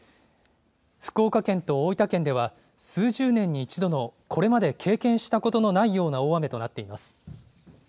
福岡県と大分県では、数十年に１度のこれまで経験したことのないような大雨となっています。